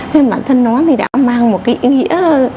nên bản thân nó thì đã mang một cái ý nghĩa